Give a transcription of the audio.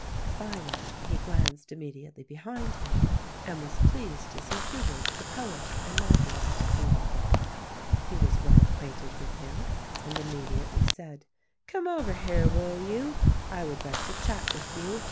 Finally he glanced immediately behind him and was pleased to see Hubert the poet and novelist seated there. He was well acquainted with him and immediately said, "Come over here, will you? I would like to chat with you.